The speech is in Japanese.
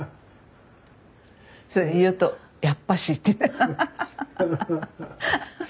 それ言うと「やっぱし」って。